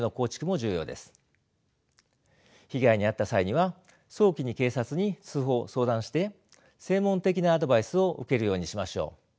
被害に遭った際には早期に警察に通報相談して専門的なアドバイスを受けるようにしましょう。